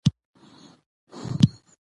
بانکونه د خیریه بنسټونو سره همکاري کوي.